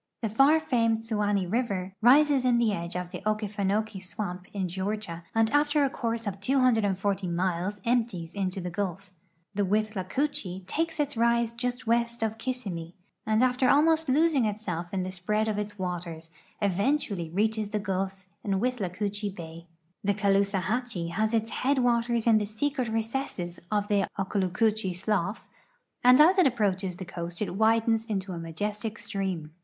The far famed Suwanee river rises in the edge of the Okefenokee swamp in Georgia, and after a course of 240 miles empties into the Gulf The Withla coochee takes its rise just west of Kissimmee, and after almost losing itself in the spread of its waters, eventually reaches the Gulf in Withlacoochee bay. The Caloosahatchee has its head waters in the secret rece.sses of the Okaloocoochee slough, and as it approaches the coast it widens into a majestic stream.